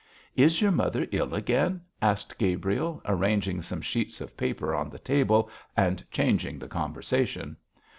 'Is your mother ill again?' asked Gabriel, arranging some sheets of paper on the table and changing the conversation.